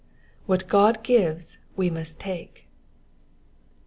What God gives we must take.